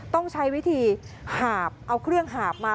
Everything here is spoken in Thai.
ต้องใช้วิธีหาบเอาเครื่องหาบมา